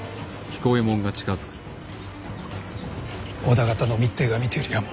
織田方の密偵が見ているやも。